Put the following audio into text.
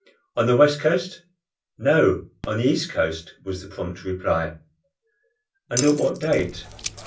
"On the west coast?" "No, on the east coast," was the prompt reply. "And at what date?"